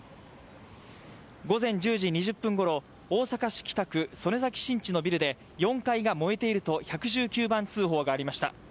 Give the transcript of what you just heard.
午前１０時２０分ごろ、大阪市北区曽根崎新地のビルで４階が燃えていると１１９番通報がありました。